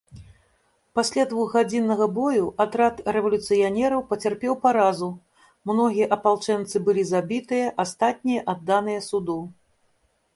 Пасля двухгадзіннага бою атрад рэвалюцыянераў пацярпеў паразу, многія апалчэнцы былі забітыя, астатнія адданыя суду.